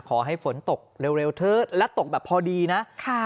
ขอให้ฝนตกเร็วเถอะและตกแบบพอดีนะ